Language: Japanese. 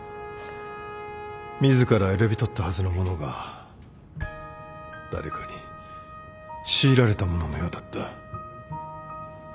自ら選び取ったはずのものが誰かに強いられたもののようだった。